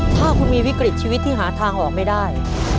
ถ้าคุณมีวิกฤตชีวิตที่หาทางออกไม่ได้